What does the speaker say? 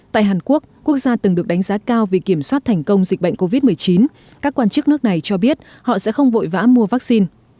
tại hàn quốc quốc gia từng được đánh giá cao vì kiểm soát thành công dịch bệnh covid một mươi chín các quan chức nước này cho biết họ sẽ không vội vã mua vaccine